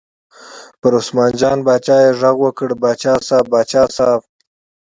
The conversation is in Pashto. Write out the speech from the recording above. پر عثمان جان باچا یې غږ وکړ: باچا صاحب، باچا صاحب.